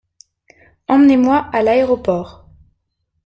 Emmenez-moi à l’aéroport.